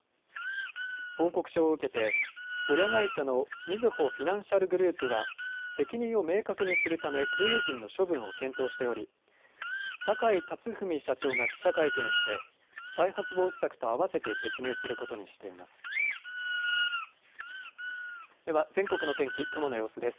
報告書を受けて親会社の、みずほフィナンシャルグループは責任を明確にするため経営陣の処分を検討しており坂井辰史社長が記者会見して再発防止策とあわせて説明することにしています。